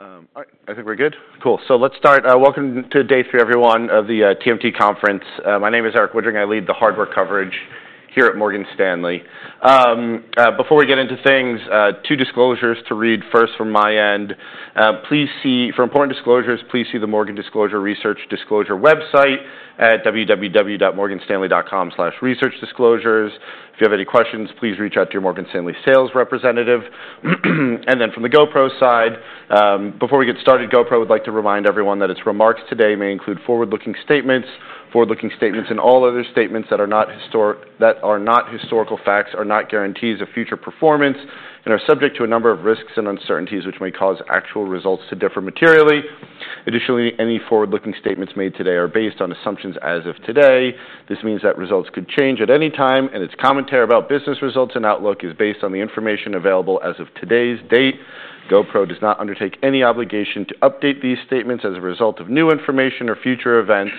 All right. I think we're good. Cool. Let's start. Welcome to day three, everyone, of the TMT conference. My name is Erik Woodring. I lead the hardware coverage here at Morgan Stanley. Before we get into things, two disclosures to read first from my end. Please see, for important disclosures, please see the Morgan Stanley Research Disclosure website at www.morganstanley.com/researchdisclosures. If you have any questions, please reach out to your Morgan Stanley sales representative. From the GoPro side, before we get started, GoPro would like to remind everyone that its remarks today may include forward-looking statements, forward-looking statements, and all other statements that are not historical facts, are not guarantees of future performance, and are subject to a number of risks and uncertainties which may cause actual results to differ materially. Additionally, any forward-looking statements made today are based on assumptions as of today. This means that results could change at any time, and its commentary about business results and outlook is based on the information available as of today's date. GoPro does not undertake any obligation to update these statements as a result of new information or future events.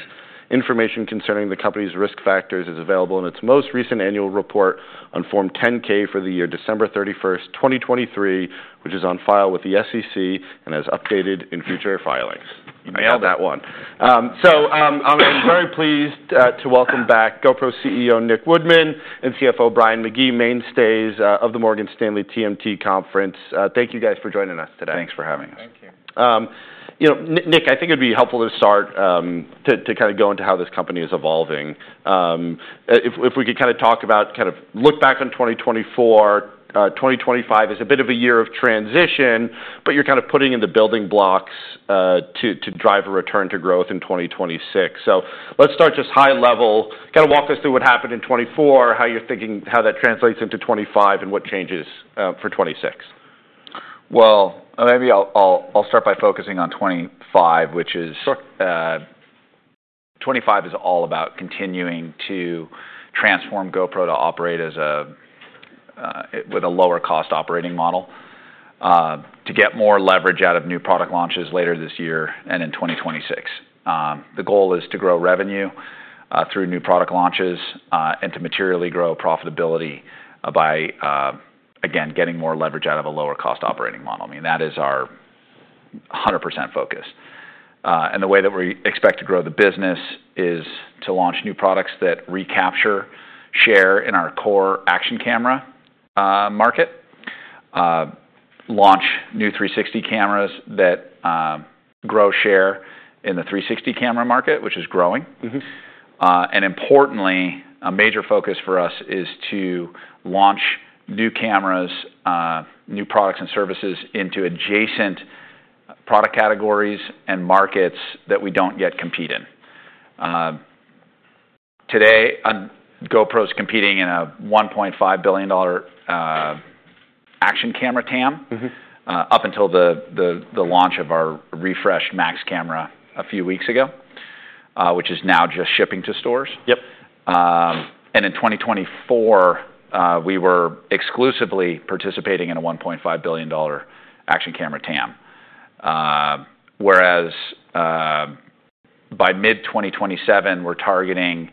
Information concerning the company's risk factors is available in its most recent annual report on Form 10-K for the year December 31st 2023, which is on file with the SEC and is updated in future filings. I know. I had that one. I'm very pleased to welcome back GoPro CEO Nick Woodman and CFO Brian McGee, mainstays of the Morgan Stanley TMT conference. Thank you guys for joining us today. Thanks for having us. Thank you. You know, Nick, Nick, I think it'd be helpful to start, to, to kinda go into how this company is evolving. If, if we could kinda talk about, kind of look back on 2024, 2025 is a bit of a year of transition, but you're kind of putting in the building blocks, to, to drive a return to growth in 2026. Let's start just high level. Kinda walk us through what happened in 2024, how you're thinking how that translates into 2025, and what changes, for 2026. Maybe I'll start by focusing on 2025, which is. Sure. 2025 is all about continuing to transform GoPro to operate as a, with a lower-cost operating model, to get more leverage out of new product launches later this year and in 2026. The goal is to grow revenue, through new product launches, and to materially grow profitability, by, again, getting more leverage out of a lower-cost operating model. I mean, that is our 100% focus. The way that we expect to grow the business is to launch new products that recapture share in our core action camera market, launch new 360 cameras that grow share in the 360 camera market, which is growing. Mm-hmm. And importantly, a major focus for us is to launch new cameras, new products and services into adjacent product categories and markets that we do not yet compete in. Today, GoPro's competing in a $1.5 billion action camera TAM. Mm-hmm. up until the launch of our refreshed MAX camera a few weeks ago, which is now just shipping to stores. Yep. In 2024, we were exclusively participating in a $1.5 billion action camera TAM, whereas, by mid-2027, we're targeting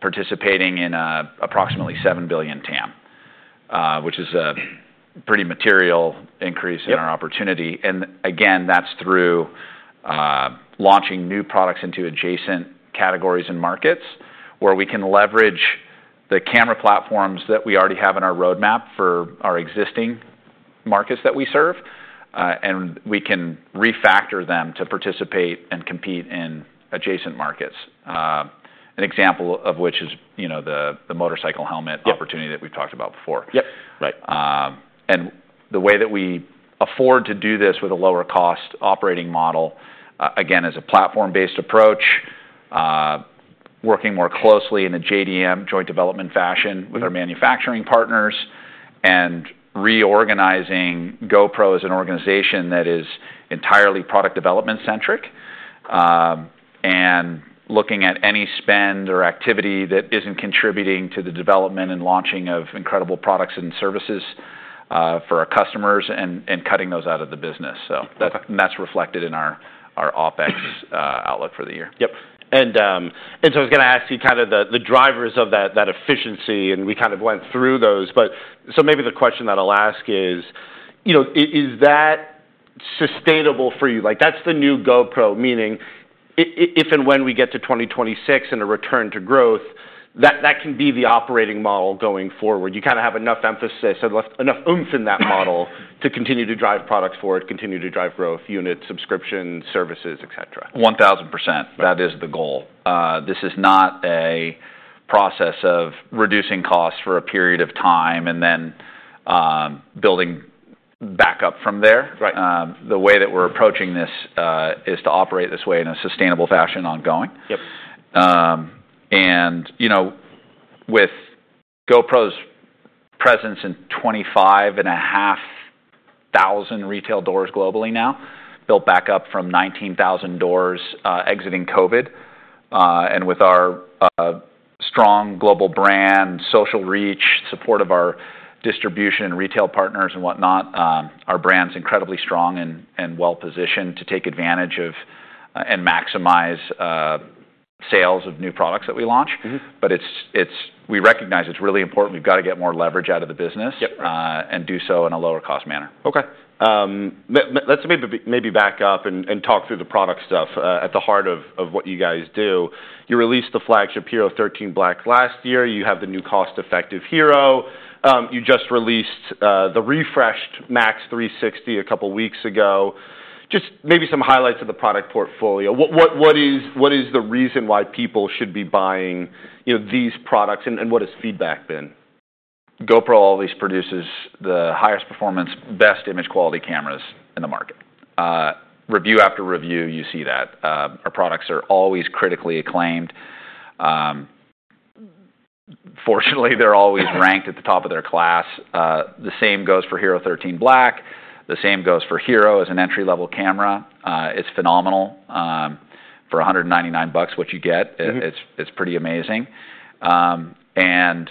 participating in approximately $7 billion TAM, which is a pretty material increase in our opportunity. Yeah. That's through launching new products into adjacent categories and markets where we can leverage the camera platforms that we already have in our roadmap for our existing markets that we serve, and we can refactor them to participate and compete in adjacent markets. An example of which is, you know, the motorcycle helmet. Yep. Opportunity that we've talked about before. Yep. Right. And the way that we afford to do this with a lower-cost operating model, again, is a platform-based approach, working more closely in a JDM, joint development fashion. Mm-hmm. With our manufacturing partners and reorganizing GoPro as an organization that is entirely product development-centric, and looking at any spend or activity that isn't contributing to the development and launching of incredible products and services for our customers, and cutting those out of the business. That's. Okay. That is reflected in our OPEX outlook for the year. Yep. I was gonna ask you kind of the drivers of that efficiency, and we kind of went through those, but maybe the question that I'll ask is, you know, is that sustainable for you? Like, that's the new GoPro, meaning if and when we get to 2026 and a return to growth, that can be the operating model going forward. You kinda have enough emphasis and enough oomph in that model. Mm-hmm. To continue to drive products forward, continue to drive growth, units, subscriptions, services, etc. 1,000%. Right. That is the goal. This is not a process of reducing costs for a period of time and then, building back up from there. Right. The way that we're approaching this, is to operate this way in a sustainable fashion ongoing. Yep. and, you know, with GoPro's presence in 25,500 retail stores globally now, built back up from 19,000 stores, exiting COVID, and with our strong global brand, social reach, support of our distribution and retail partners and whatnot, our brand's incredibly strong and well-positioned to take advantage of, and maximize, sales of new products that we launch. Mm-hmm. It's, it's we recognize it's really important. We've gotta get more leverage out of the business. Yep. and do so in a lower-cost manner. Okay. Let's maybe, maybe back up and talk through the product stuff, at the heart of what you guys do. You released the flagship HERO13 Black last year. You have the new cost-effective HERO. You just released the refreshed MAX 360 a couple weeks ago. Just maybe some highlights of the product portfolio. What is the reason why people should be buying, you know, these products, and what has feedback been? GoPro always produces the highest performance, best image quality cameras in the market. Review after review, you see that. Our products are always critically acclaimed. Fortunately, they're always ranked at the top of their class. The same goes for HERO13 Black. The same goes for HERO as an entry-level camera. It's phenomenal. For $199, what you get. Mm-hmm. It's pretty amazing. And,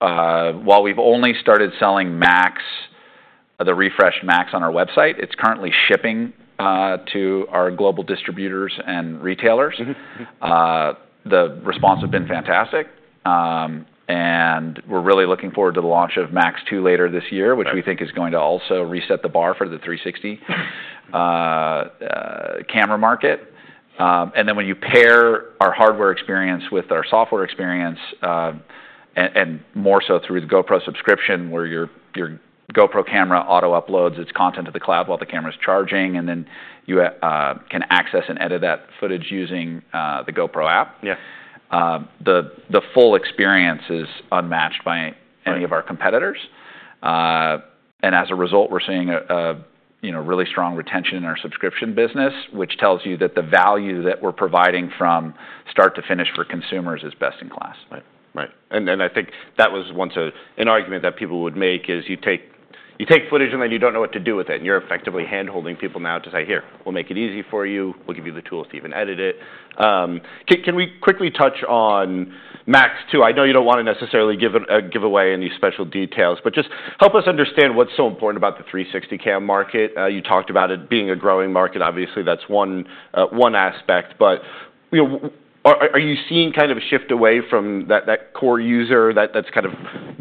while we've only started selling MAX, the refreshed MAX on our website, it's currently shipping to our global distributors and retailers. Mm-hmm. The response has been fantastic. And we're really looking forward to the launch of MAX 2 later this year. Mm-hmm. Which we think is going to also reset the bar for the 360 camera market. When you pair our hardware experience with our software experience, and more so through the GoPro subscription where your GoPro camera auto-uploads its content to the cloud while the camera's charging, you can access and edit that footage using the GoPro app. Yeah. The full experience is unmatched by any of our competitors. Mm-hmm. As a result, we're seeing a, you know, really strong retention in our subscription business, which tells you that the value that we're providing from start to finish for consumers is best in class. Right. Right. I think that was once an argument that people would make is you take footage and then you don't know what to do with it, and you're effectively hand-holding people now to say, "Here, we'll make it easy for you. We'll give you the tools to even edit it." Can we quickly touch on MAX 2? I know you don't want to necessarily give away any special details, but just help us understand what's so important about the 360 cam market. You talked about it being a growing market. Obviously, that's one aspect, but, you know, are you seeing kind of a shift away from that core user that's kind of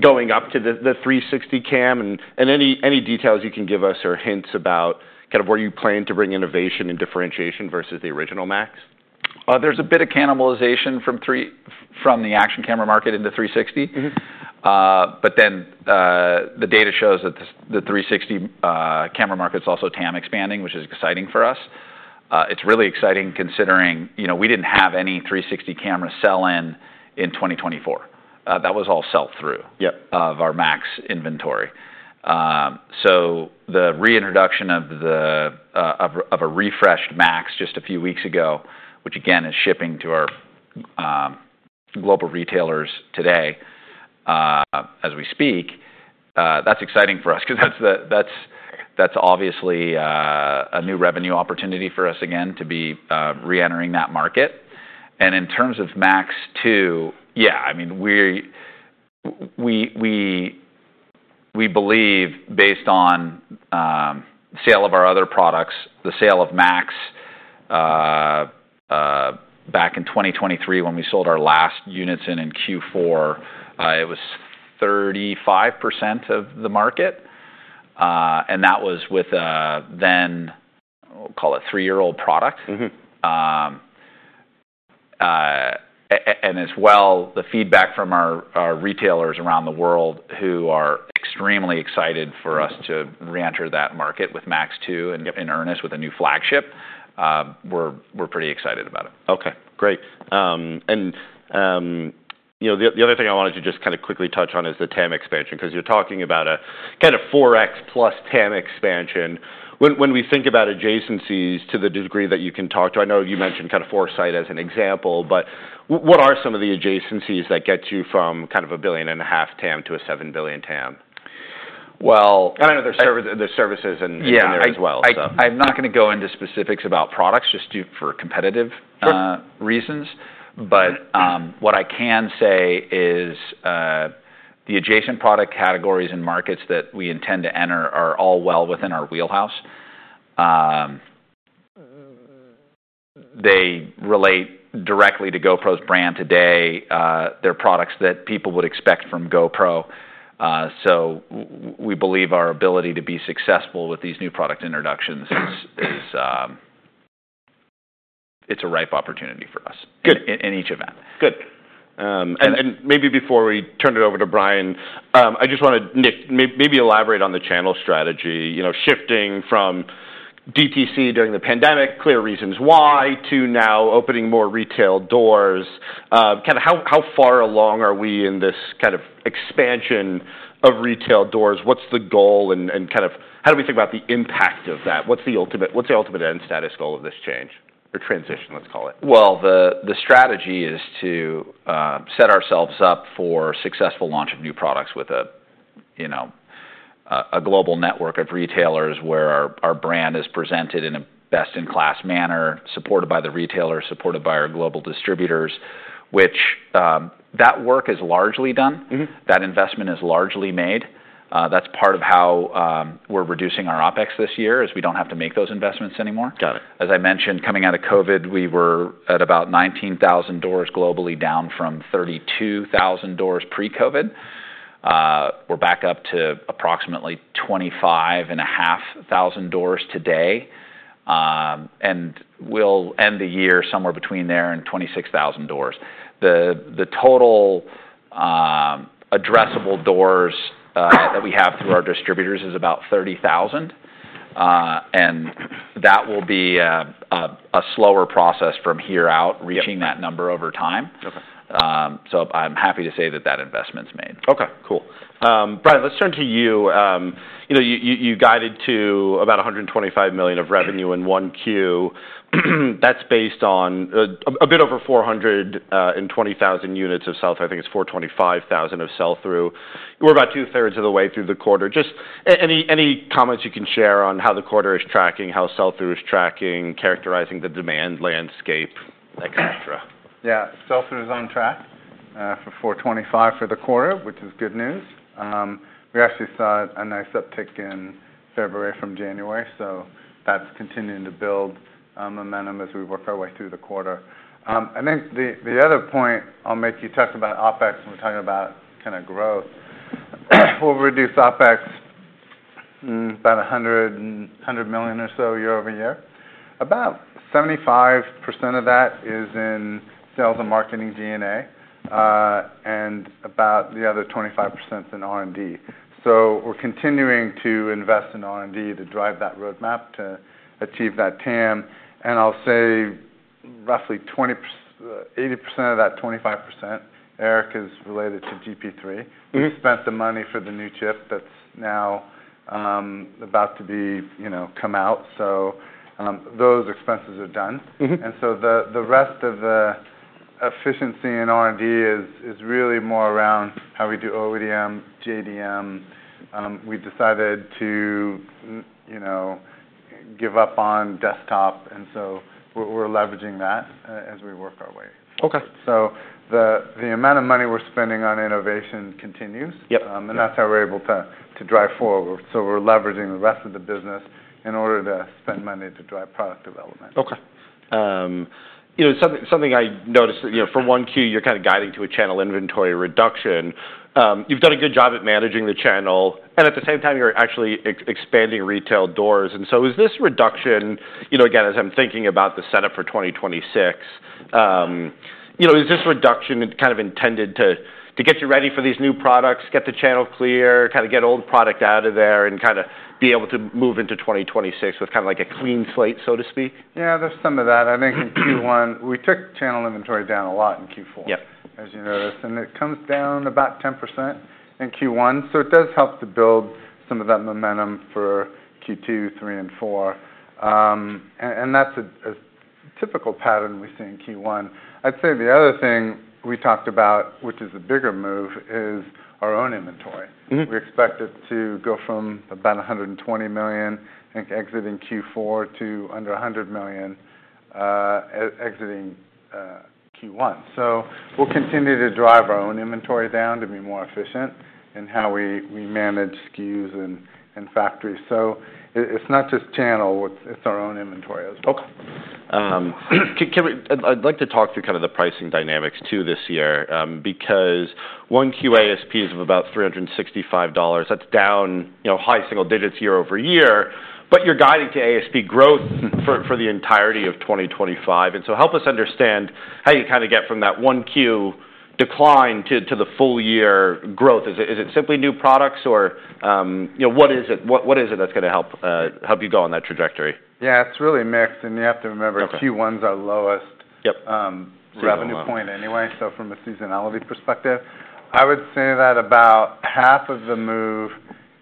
going up to the 360 camera and any details you can give us or hints about kind of where you plan to bring innovation and differentiation versus the original MAX? There's a bit of cannibalization from three from the action camera market into 360. Mm-hmm. Then, the data shows that the 360 camera market's also TAM expanding, which is exciting for us. It's really exciting considering, you know, we didn't have any 360 camera sell-in in 2024. That was all sell-through. Yep. Of our MAX inventory. The reintroduction of a refreshed MAX just a few weeks ago, which again is shipping to our global retailers today, as we speak, that's exciting for us 'cause that's obviously a new revenue opportunity for us again to be re-entering that market. In terms of MAX 2, yeah, I mean, we believe based on sale of our other products, the sale of MAX back in 2023 when we sold our last units in Q4, it was 35% of the market. That was with a, then, we'll call it three-year-old product. Mm-hmm. And as well, the feedback from our retailers around the world who are extremely excited for us to re-enter that market with MAX 2. Yep. And with a new flagship, we're pretty excited about it. Okay. Great. And, you know, the other thing I wanted to just kinda quickly touch on is the TAM expansion 'cause you're talking about a kind of 4X plus TAM expansion. When we think about adjacencies to the degree that you can talk to, I know you mentioned kind of Forcite as an example, but what are some of the adjacencies that get you from kind of a billion and a half TAM to a $7 billion TAM? Well. I know there's services in there as well. Yeah. I'm not gonna go into specifics about products just due for competitive, Sure. Reasons, but what I can say is, the adjacent product categories and markets that we intend to enter are all well within our wheelhouse. They relate directly to GoPro's brand today, they're products that people would expect from GoPro. We believe our ability to be successful with these new product introductions is, it's a ripe opportunity for us. Good. In each event. Good. And maybe before we turn it over to Brian, I just wanna, Nick, maybe elaborate on the channel strategy, you know, shifting from DTC during the pandemic, clear reasons why, to now opening more retail doors. Kinda how far along are we in this kind of expansion of retail doors? What's the goal and, and kind of how do we think about the impact of that? What's the ultimate, what's the ultimate end status goal of this change or transition, let's call it? The strategy is to set ourselves up for successful launch of new products with a, you know, a global network of retailers where our brand is presented in a best-in-class manner, supported by the retailers, supported by our global distributors, which, that work is largely done. Mm-hmm. That investment is largely made. That's part of how we're reducing our OPEX this year is we don't have to make those investments anymore. Got it. As I mentioned, coming out of COVID, we were at about 19,000 doors globally, down from 32,000 doors pre-COVID. We're back up to approximately 25,500 doors today, and we'll end the year somewhere between there and 26,000 doors. The total addressable doors that we have through our distributors is about 30,000, and that will be a slower process from here out reaching that number over time. Okay. I'm happy to say that that investment's made. Okay. Cool. Brian, let's turn to you. You know, you guided to about $125 million of revenue in 1Q. That's based on a bit over 420,000 units of sell-through. I think it's 425,000 of sell-through. We're about two-thirds of the way through the quarter. Just any comments you can share on how the quarter is tracking, how sell-through is tracking, characterizing the demand landscape, etc.? Yeah. Sell-through is on track, for 425 for the quarter, which is good news. We actually saw a nice uptick in February from January, so that's continuing to build momentum as we work our way through the quarter. I think the other point I'll make, you talk about OPEX when we're talking about kinda growth. We'll reduce OPEX about $100 million or so year-over-year. About 75% of that is in sales and marketing G&A, and about the other 25% is in R&D. So we're continuing to invest in R&D to drive that roadmap to achieve that TAM. I'll say roughly 20%, 80% of that 25%, Eric, is related to GP3. Mm-hmm. We've spent the money for the new chip that's now, about to be, you know, come out. Those expenses are done. Mm-hmm. The rest of the efficiency in R&D is really more around how we do OEDM, JDM. We decided to, you know, give up on desktop, and so we're leveraging that as we work our way. Okay. The amount of money we're spending on innovation continues. Yep. That's how we're able to drive forward. We're leveraging the rest of the business in order to spend money to drive product development. Okay. You know, something I noticed, you know, for one Q, you're kinda guiding to a channel inventory reduction. You've done a good job at managing the channel, and at the same time, you're actually expanding retail doors. Is this reduction, you know, again, as I'm thinking about the setup for 2026, you know, is this reduction kind of intended to get you ready for these new products, get the channel clear, kinda get old product out of there, and kinda be able to move into 2026 with kinda like a clean slate, so to speak? Yeah. There's some of that. I think in Q1, we took channel inventory down a lot in Q4. Yep. As you noticed, it comes down about 10% in Q1. It does help to build some of that momentum for Q2, Q3, and Q4. That is a typical pattern we see in Q1. I'd say the other thing we talked about, which is a bigger move, is our own inventory. Mm-hmm. We expect it to go from about $120 million, I think, exiting Q4 to under $100 million, exiting Q1. We'll continue to drive our own inventory down to be more efficient in how we manage SKUs and factories. It's not just channel. It's our own inventory as well. Okay. Can we, I'd like to talk through kinda the pricing dynamics too this year, because Q1 ASP is of about $365. That's down, you know, high single digits year-over-year, but you're guiding to ASP growth for the entirety of 2025. Help us understand how you kinda get from that Q1 decline to the full year growth. Is it simply new products or, you know, what is it? What is it that's gonna help you go on that trajectory? Yeah. It's really mixed, and you have to remember. Okay. Q1's our lowest. Yep. revenue point anyway, so from a seasonality perspective. I would say that about half of the move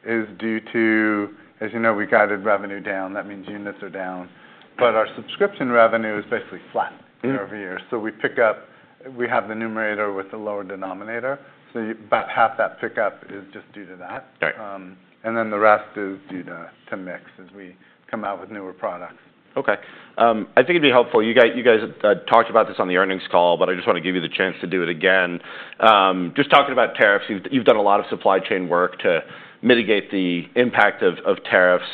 is due to, as you know, we guided revenue down. That means units are down, but our subscription revenue is basically flat. Mm-hmm. year-over-year. We pick up, we have the numerator with the lower denominator, so about half that pickup is just due to that. Right. and then the rest is due to mix as we come out with newer products. Okay. I think it'd be helpful. You guys, talked about this on the earnings call, but I just wanna give you the chance to do it again. Just talking about tariffs, you've, you've done a lot of supply chain work to mitigate the impact of, of tariffs.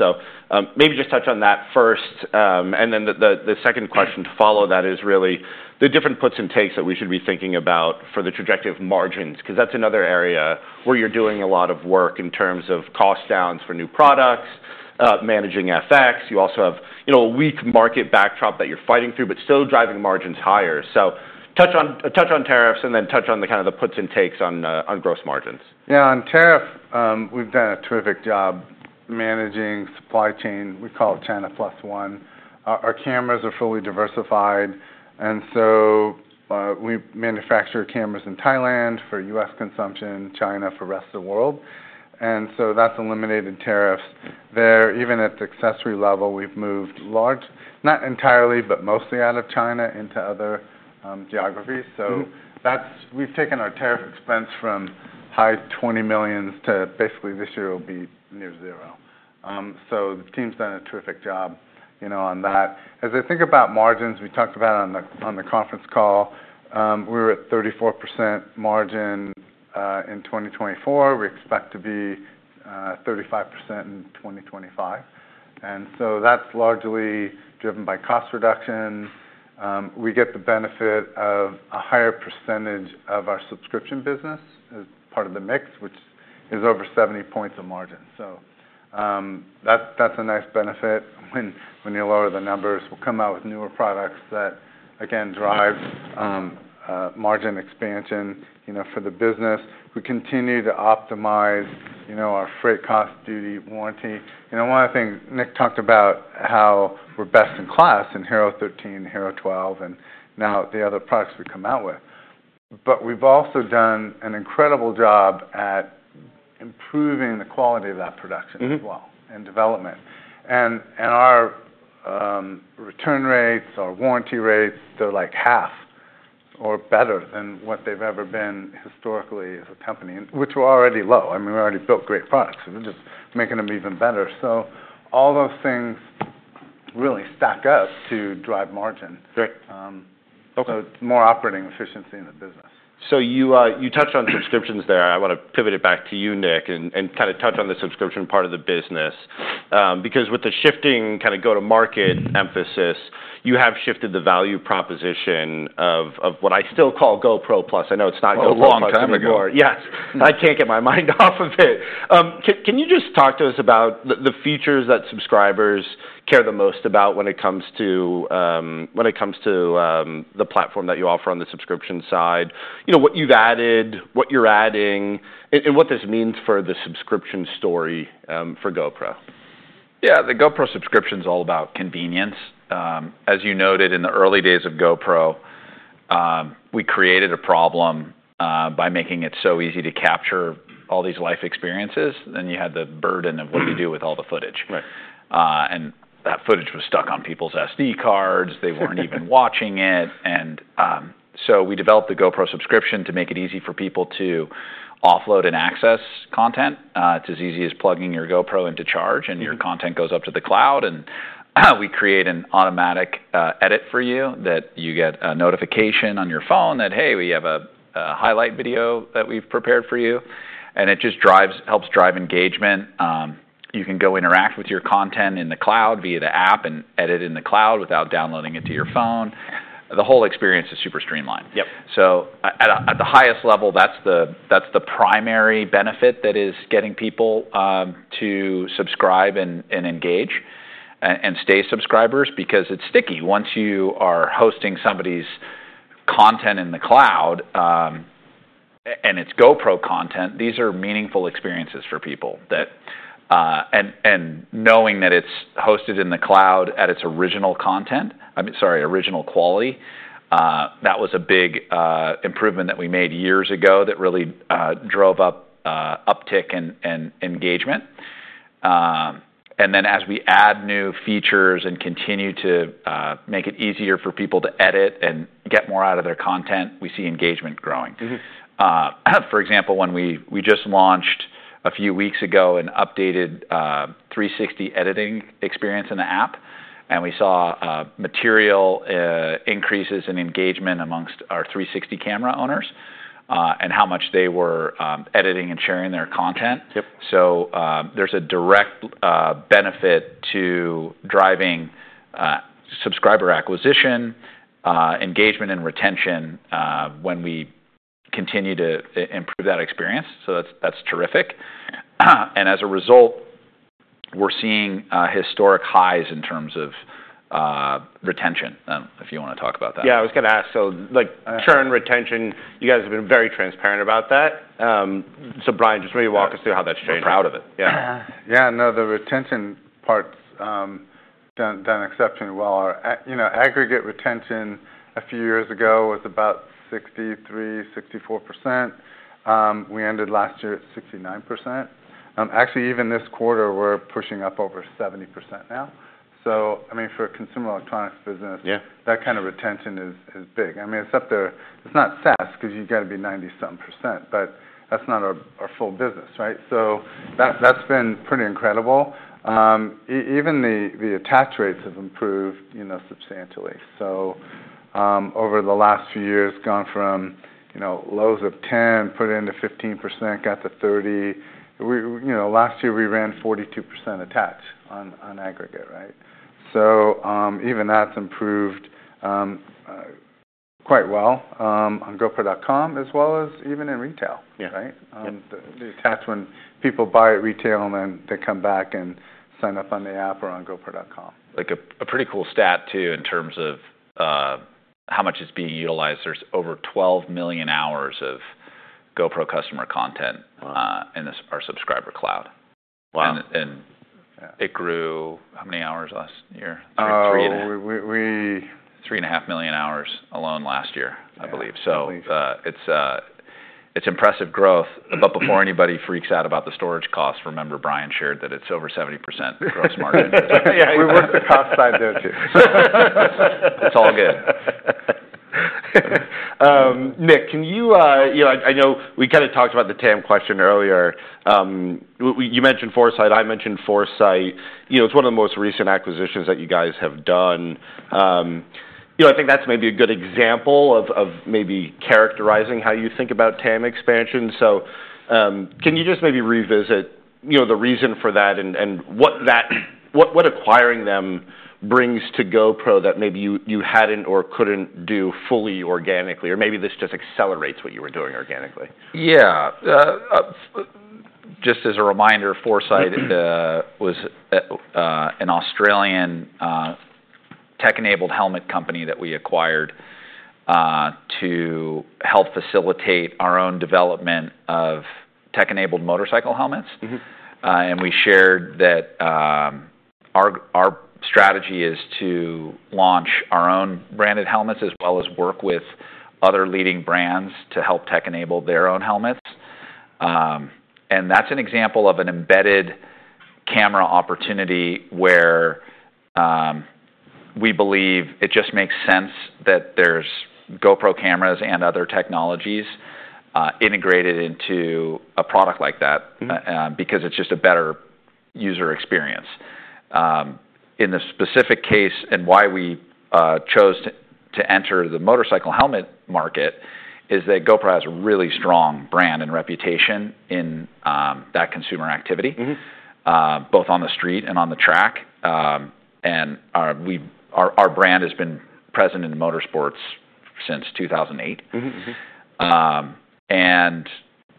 Maybe just touch on that first, and then the second question to follow that is really the different puts and takes that we should be thinking about for the trajectory of margins 'cause that's another area where you're doing a lot of work in terms of cost downs for new products, managing FX. You also have, you know, a weak market backdrop that you're fighting through but still driving margins higher. Touch on tariffs and then touch on the kind of the puts and takes on, on gross margins. Yeah. On tariff, we've done a terrific job managing supply chain. We call it China plus one. Our cameras are fully diversified, and we manufacture cameras in Thailand for US consumption, China for the rest of the world. That has eliminated tariffs there. Even at the accessory level, we've moved large, not entirely, but mostly out of China into other geographies. That has taken our tariff expense from high $20 million to basically this year will be near zero. The team's done a terrific job, you know, on that. As I think about margins, we talked about on the conference call, we were at 34% margin in 2024. We expect to be 35% in 2025. That is largely driven by cost reduction. We get the benefit of a higher percentage of our subscription business as part of the mix, which is over 70 percentage points of margin. That is a nice benefit when you lower the numbers. We will come out with newer products that, again, drive margin expansion, you know, for the business. We continue to optimize, you know, our freight cost, duty, warranty. You know, one of the things Nick talked about, how we are best in class in HERO13, HERO12, and now the other products we come out with. We have also done an incredible job at improving the quality of that production as well. Mm-hmm. Development. And our return rates, our warranty rates, they're like half or better than what they've ever been historically as a company, which were already low. I mean, we already built great products. We're just making them even better. All those things really stack up to drive margin. Great. More operating efficiency in the business. You touched on subscriptions there. I wanna pivot it back to you, Nick, and kinda touch on the subscription part of the business, because with the shifting kinda go-to-market emphasis, you have shifted the value proposition of what I still call GoPro Plus. I know it's not GoPro anymore. Oh, a long time ago. Yes. I can't get my mind off of it. Can you just talk to us about the features that subscribers care the most about when it comes to the platform that you offer on the subscription side, you know, what you've added, what you're adding, and what this means for the subscription story, for GoPro? Yeah. The GoPro subscription's all about convenience. As you noted, in the early days of GoPro, we created a problem, by making it so easy to capture all these life experiences, then you had the burden of what do you do with all the footage? Right. That footage was stuck on people's SD cards. They weren't even watching it. We developed the GoPro subscription to make it easy for people to offload and access content. It's as easy as plugging your GoPro in to charge, and your content goes up to the cloud, and we create an automatic edit for you that you get a notification on your phone that, "Hey, we have a highlight video that we've prepared for you." It just helps drive engagement. You can go interact with your content in the cloud via the app and edit in the cloud without downloading it to your phone. The whole experience is super streamlined. Yep. At the highest level, that's the primary benefit that is getting people to subscribe and engage and stay subscribers because it's sticky. Once you are hosting somebody's content in the cloud, and it's GoPro content, these are meaningful experiences for people that, and knowing that it's hosted in the cloud at its original content, I mean, sorry, original quality, that was a big improvement that we made years ago that really drove up uptick and engagement. And then as we add new features and continue to make it easier for people to edit and get more out of their content, we see engagement growing. Mm-hmm. For example, when we just launched a few weeks ago an updated 360 editing experience in the app, we saw material increases in engagement amongst our 360 camera owners, and how much they were editing and sharing their content. Yep. There is a direct benefit to driving subscriber acquisition, engagement, and retention when we continue to improve that experience. That is terrific. As a result, we are seeing historic highs in terms of retention, if you want to talk about that. Yeah. I was gonna ask. Like, churn, retention, you guys have been very transparent about that. So Brian, just maybe walk us through how that's changed. I'm proud of it. Yeah. Yeah. No, the retention part's done, done exceptionally well. Our, you know, aggregate retention a few years ago was about 63% to 64%. We ended last year at 69%. Actually, even this quarter, we're pushing up over 70% now. I mean, for a consumer electronics business. Yeah. That kinda retention is, is big. I mean, it's up to, it's not SaaS 'cause you gotta be 90-something percent, but that's not our, our full business, right? That-that's been pretty incredible. Even the, the attach rates have improved, you know, substantially. Over the last few years, gone from, you know, lows of 10%, put it into 15%, got to 30%. We, you know, last year, we ran 42% attach on, on aggregate, right? Even that's improved, quite well, on GoPro.com as well as even in retail. Yeah. Right? Yeah. the attach when people buy at retail and then they come back and sign up on the app or on GoPro.com. Like a pretty cool stat too in terms of how much is being utilized. There's over 12 million hours of GoPro customer content. Wow. in this, our subscriber cloud. Wow. It grew how many hours last year? Three and a half. We. Three and a half million hours alone last year, I believe. I believe. It's impressive growth. Before anybody freaks out about the storage cost, remember Brian shared that it's over 70% gross margin. Yeah. We worked the cost side, didn't you? It's all good. Nick, can you, you know, I, I know we kinda talked about the TAM question earlier. We, we, you mentioned Forcite. I mentioned Forcite. You know, it's one of the most recent acquisitions that you guys have done. You know, I think that's maybe a good example of, of maybe characterizing how you think about TAM expansion. Can you just maybe revisit, you know, the reason for that and, and what that, what, what acquiring them brings to GoPro that maybe you, you hadn't or couldn't do fully organically, or maybe this just accelerates what you were doing organically? Yeah. Just as a reminder, Forcite was an Australian tech-enabled helmet company that we acquired to help facilitate our own development of tech-enabled motorcycle helmets. Mm-hmm. We shared that our strategy is to launch our own branded helmets as well as work with other leading brands to help tech-enable their own helmets. That is an example of an embedded camera opportunity where we believe it just makes sense that there are GoPro cameras and other technologies integrated into a product like that. Mm-hmm. because it's just a better user experience. In the specific case and why we chose to enter the motorcycle helmet market is that GoPro has a really strong brand and reputation in that consumer activity. Mm-hmm. Both on the street and on the track. Our brand has been present in motorsports since 2008. Mm-hmm. Mm-hmm.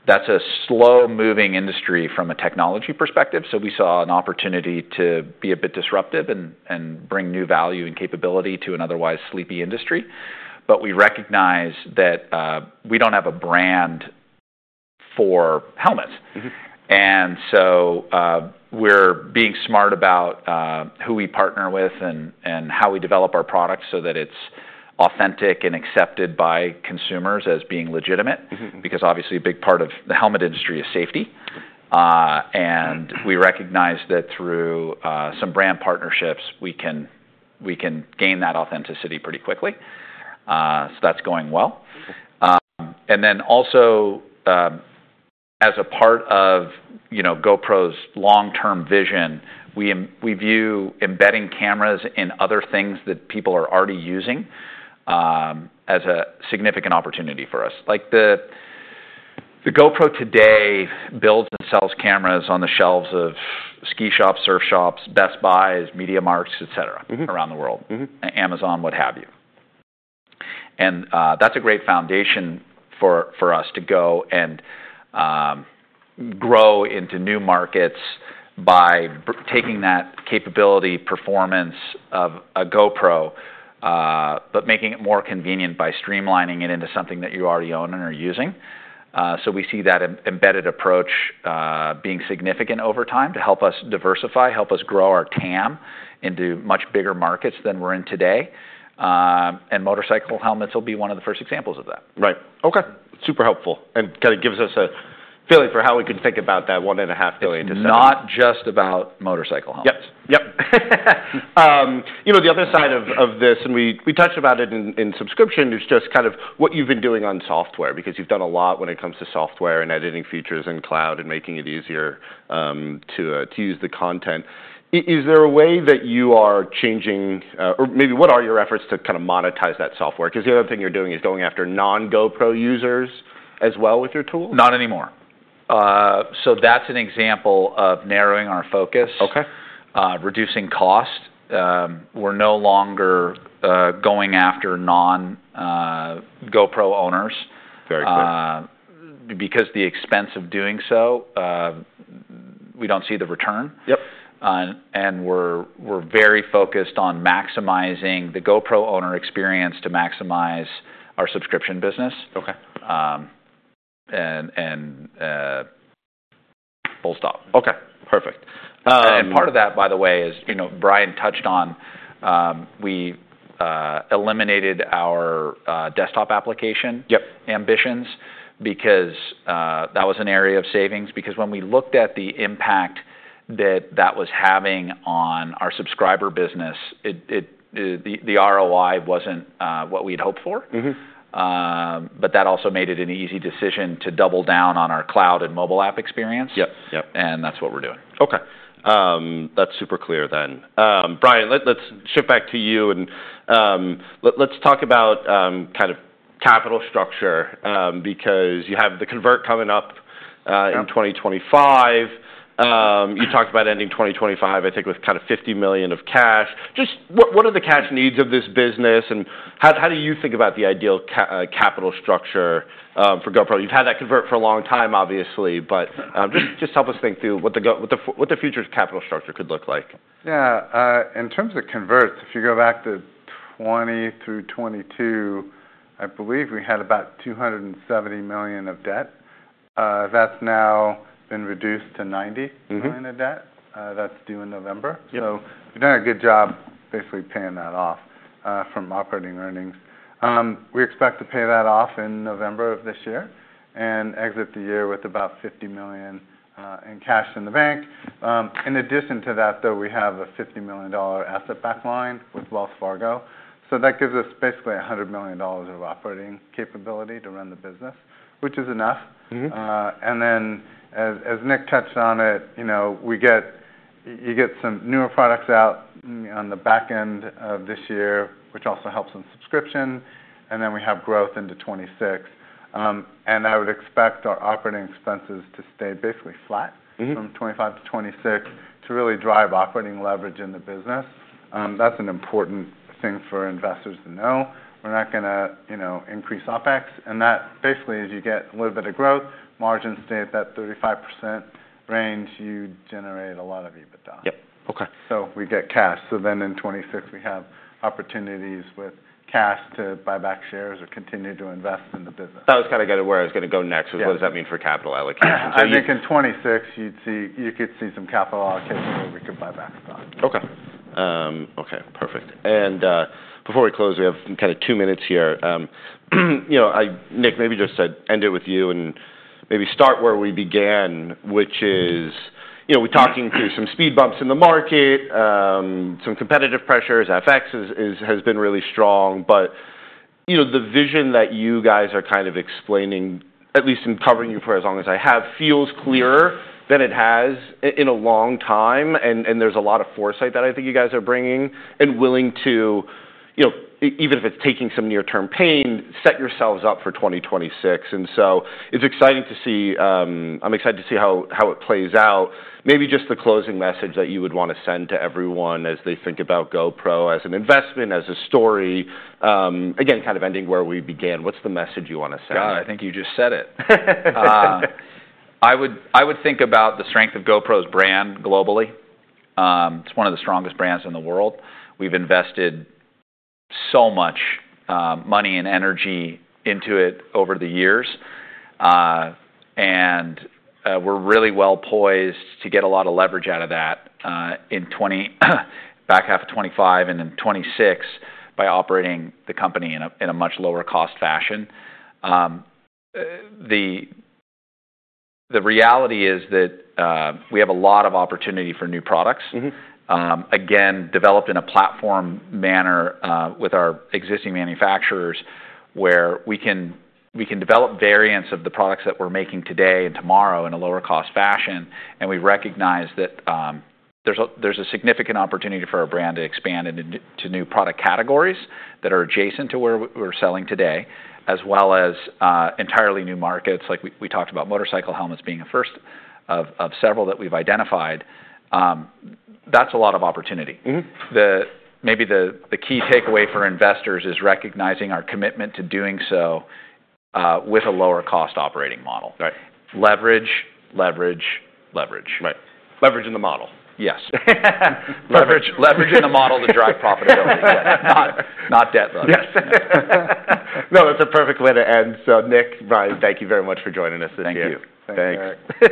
That's a slow-moving industry from a technology perspective. We saw an opportunity to be a bit disruptive and bring new value and capability to an otherwise sleepy industry. We recognize that we don't have a brand for helmets. Mm-hmm. We're being smart about who we partner with and how we develop our products so that it's authentic and accepted by consumers as being legitimate. Mm-hmm. Because obviously, a big part of the helmet industry is safety, and we recognize that through some brand partnerships, we can gain that authenticity pretty quickly. So that's going well. Mm-hmm. and then also, as a part of, you know, GoPro's long-term vision, we view embedding cameras in other things that people are already using as a significant opportunity for us. Like, the GoPro today builds and sells cameras on the shelves of ski shops, surf shops, Best Buy, MediaMarkt, etc. Mm-hmm. Around the world. Mm-hmm. Amazon, what have you. That's a great foundation for us to go and grow into new markets by taking that capability performance of a GoPro, but making it more convenient by streamlining it into something that you already own and are using. We see that embedded approach being significant over time to help us diversify, help us grow our TAM into much bigger markets than we're in today. Motorcycle helmets will be one of the first examples of that. Right. Okay. Super helpful. And kinda gives us a feeling for how we can think about that $1.5 billion to $7 billion. Not just about motorcycle helmets. Yep. Yep. You know, the other side of this, and we touched about it in subscription, is just kind of what you've been doing on software because you've done a lot when it comes to software and editing features and cloud and making it easier to use the content. Is there a way that you are changing, or maybe what are your efforts to kinda monetize that software? 'Cause the other thing you're doing is going after non-GoPro users as well with your tools. Not anymore. That's an example of narrowing our focus. Okay. Reducing cost. We're no longer going after non-GoPro owners. Very good. because the expense of doing so, we don't see the return. Yep. We're very focused on maximizing the GoPro owner experience to maximize our subscription business. Okay. and, and. Full stop. Okay. Perfect. Part of that, by the way, is, you know, Brian touched on, we eliminated our desktop application. Yep. Ambitions because that was an area of savings because when we looked at the impact that that was having on our subscriber business, the ROI wasn't what we'd hoped for. Mm-hmm. That also made it an easy decision to double down on our cloud and mobile app experience. Yep. Yep. That's what we're doing. Okay. That's super clear then. Brian, let's shift back to you and let's talk about, kind of capital structure, because you have the convert coming up, in 2025. You talked about ending 2025, I think, with kind of $50 million of cash. Just what, what are the cash needs of this business and how, how do you think about the ideal capital structure, for GoPro? You've had that convert for a long time, obviously, but just, just help us think through what the future capital structure could look like. Yeah. In terms of converts, if you go back to 2020 through 2022, I believe we had about $270 million of debt. That's now been reduced to $90 million. Mm-hmm. Million of debt. That's due in November. Yep. We have done a good job basically paying that off, from operating earnings. We expect to pay that off in November of this year and exit the year with about $50 million in cash in the bank. In addition to that, though, we have a $50 million asset-backed line with Wells Fargo. That gives us basically $100 million of operating capability to run the business, which is enough. Mm-hmm. and then, as Nick touched on it, you know, we get you get some newer products out on the back end of this year, which also helps in subscription. And then we have growth into 2026. I would expect our operating expenses to stay basically flat. Mm-hmm. From 2025 to 2026 to really drive operating leverage in the business. That's an important thing for investors to know. We're not gonna, you know, increase OPEX. And that basically, as you get a little bit of growth, margins stay at that 35% range, you generate a lot of EBITDA. Yep. Okay. We get cash. Then in 2026, we have opportunities with cash to buy back shares or continue to invest in the business. That was kinda where I was gonna go next. Yeah. What does that mean for capital allocation? Yeah. So you. I think in 2026, you'd see you could see some capital allocation where we could buy back stock. Okay. Perfect. And, before we close, we have kinda two minutes here. You know, I, Nick, maybe just end it with you and maybe start where we began, which is, you know, we're talking through some speed bumps in the market, some competitive pressures. FX has been really strong, but, you know, the vision that you guys are kind of explaining, at least in covering you for as long as I have, feels clearer than it has in a long time. There's a lot of foresight that I think you guys are bringing and willing to, you know, even if it's taking some near-term pain, set yourselves up for 2026. It's exciting to see, I'm excited to see how it plays out. Maybe just the closing message that you would wanna send to everyone as they think about GoPro as an investment, as a story, again, kind of ending where we began. What's the message you wanna send? I think you just said it. I would think about the strength of GoPro's brand globally. It's one of the strongest brands in the world. We've invested so much money and energy into it over the years, and we're really well poised to get a lot of leverage out of that in 2025, back half of 2025 and in 2026 by operating the company in a much lower-cost fashion. The reality is that we have a lot of opportunity for new products. Mm-hmm. Again, developed in a platform manner, with our existing manufacturers where we can develop variants of the products that we're making today and tomorrow in a lower-cost fashion. And we recognize that there's a significant opportunity for our brand to expand into new product categories that are adjacent to where we're selling today, as well as entirely new markets. Like we talked about motorcycle helmets being a first of several that we've identified. That's a lot of opportunity. Mm-hmm. Maybe the key takeaway for investors is recognizing our commitment to doing so, with a lower-cost operating model. Right. Leverage, leverage, leverage. Right. Leverage in the model. Yes. Leverage, leverage in the model to drive profitability. Yes. Not debt, though. Yes. No, that's a perfect way to end. Nick, Brian, thank you very much for joining us this year. Thank you. Thanks. Thanks. All right.